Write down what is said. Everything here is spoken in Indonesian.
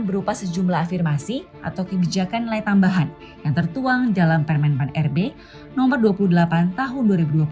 berupa sejumlah afirmasi atau kebijakan nilai tambahan yang tertuang dalam permen pan rb no dua puluh delapan tahun dua ribu dua puluh